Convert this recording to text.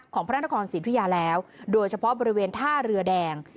พระนครศรีธุยาแล้วโดยเฉพาะบริเวณท่าเรือแดง